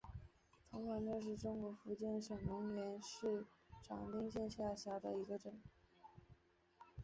童坊镇是中国福建省龙岩市长汀县下辖的一个镇。